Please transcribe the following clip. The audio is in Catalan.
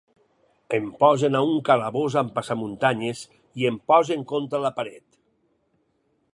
Em posen a un calabós amb passamuntanyes i em posen contra la paret.